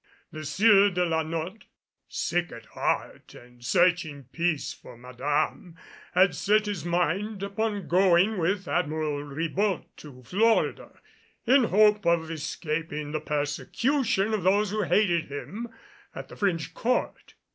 The Sieur de la Notte, sick at heart and searching peace for Madame, had set his mind upon going with Admiral Ribault to Florida, in hope of escaping the persecution of those who hated him at the French court.